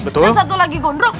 yang satu lagi gondrok